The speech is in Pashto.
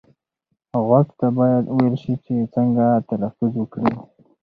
غوږ ته باید وویل شي چې څنګه تلفظ وکړي.